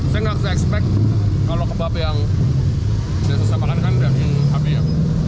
saya nggak usah ekspek kalau kebab yang sudah saya makan kan sudah minum api ya